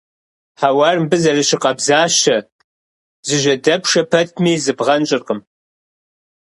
Хьэуар мыбы зэрыщыкъабзащэ, зыжьэдэпшэ пэтми, зыбгъэнщӀыркъым.